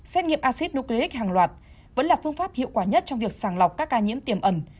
xét nghiệm acid nucleic hàng loạt vẫn là phương pháp hiệu quả nhất trong việc sàng lọc các ca nhiễm tiềm ẩn